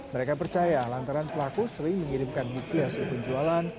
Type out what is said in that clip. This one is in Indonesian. mereka percaya lantaran pelaku sering mengirimkan bukti hasil penjualan